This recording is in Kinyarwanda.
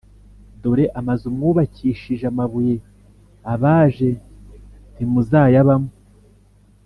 dore amazu mwubakishije amabuye abaje, ntimuzayabamo;